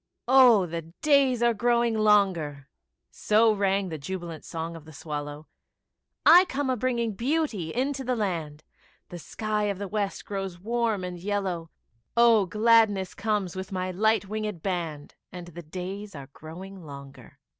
Oh, the days are growing longer; So rang the jubilant song of the swallow; I come a bringing beauty into the land, The sky of the West grows warm and yellow, Oh, gladness comes with my light winged band, And the days are growing longer.